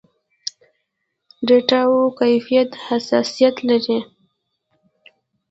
ډېټاوو کيفيت حساسيت لري.